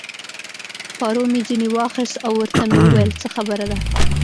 پارو مې ځینې واخیست او ورته مې وویل: څه خبره ده؟